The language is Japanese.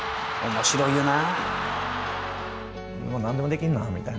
面白いよな。